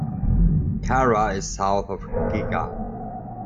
Cara is south of Gigha.